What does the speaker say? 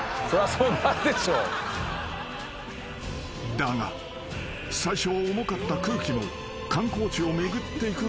［だが最初は重かった空気も観光地を巡っていくうちに解消］